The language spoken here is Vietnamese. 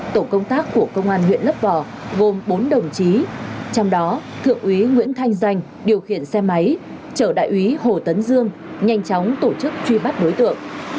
tổ công tác của công an huyện lấp vò gồm bốn đồng chí trong đó thượng úy nguyễn thanh danh điều khiển xe máy chở đại úy hồ tấn dương nhanh chóng tổ chức truy bắt đối tượng